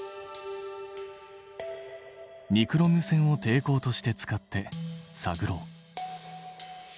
ニクロム線を抵抗として使って探ろう。